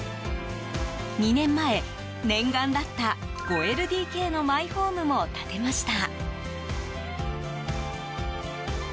２年前、念願だった５ＬＤＫのマイホームも建てました。